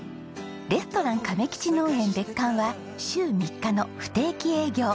レストラン亀吉農園別館は週３日の不定期営業。